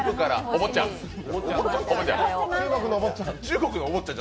中国のお坊ちゃん。